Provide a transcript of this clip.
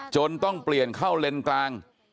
ต้องเปลี่ยนเข้าเลนกลาง